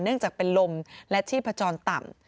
เนื่องจากเป็นลมและชีพจรต่ำ